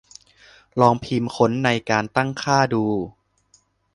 ลองพิมพ์ค้นในการตั้งค่าดู